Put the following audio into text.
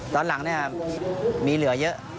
ตอนหลังมีเหลือเยอะ